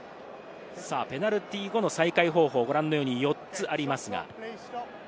ペナルティー後の再開方法、ご覧のように４つあります。